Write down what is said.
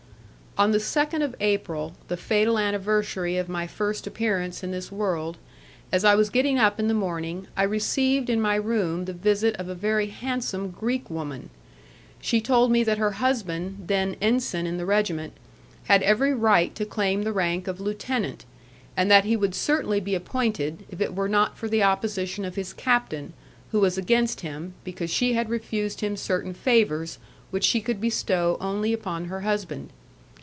On the 2nd of April, the fatal anniversary of my first appearance in this world, as I was getting up in the morning, I received in my room the visit of a very handsome Greek woman, who told me that her husband, then ensign in the regiment, had every right to claim the rank of lieutenant, and that he would certainly be appointed, if it were not for the opposition of his captain who was against him, because she had refused him certain favours which she could bestow only upon her husband.